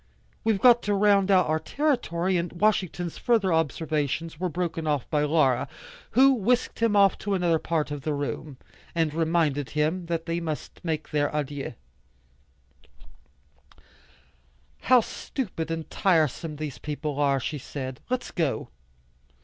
We've got to round out our territory, and " Washington's further observations were broken off by Laura, who whisked him off to another part of the room, and reminded him that they must make their adieux. "How stupid and tiresome these people are," she said. "Let's go."